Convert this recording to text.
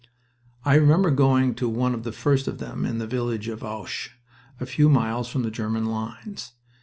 I remember going to one of the first of them in the village of Acheux, a few miles from the German lines.